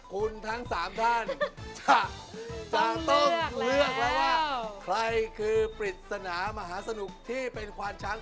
ชุดไทยที่มดงามแบบนี้แล้วความรู้สึกคุณเป็นยังไง